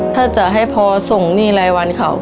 ถ้าจะให้พอส่งหนี้รายวันเขา